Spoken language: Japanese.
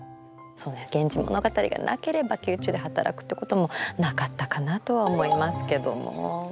そうね「源氏物語」がなければ宮中で働くってこともなかったかなとは思いますけども。